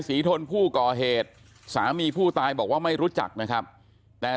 ทนผู้ก่อเหตุสามีผู้ตายบอกว่าไม่รู้จักนะครับแต่